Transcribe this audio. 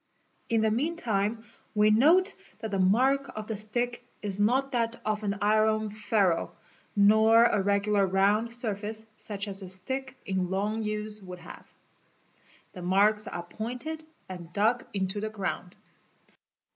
In the meantime we note that the mark of the stick is not that of an iron ferrule nor a regular round surface such as a stick in long use would have. The marks — are pointed and dug into the ground.